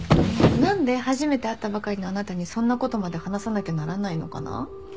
なんで初めて会ったばかりのあなたにそんな事まで話さなきゃならないのかな？